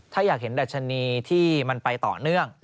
ถ้าอยากเห็นดัชนีที่มันไปต่อเนื่อง